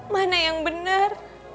mana yang benar